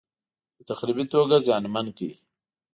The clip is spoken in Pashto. په تخریبي توګه زیانمن کړ.